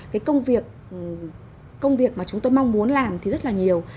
cái công việc mà chúng tôi mong muốn làm thì rất là nhiều